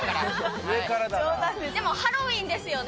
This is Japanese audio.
でも、ハロウィーンですよね？